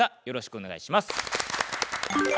よろしくお願いします。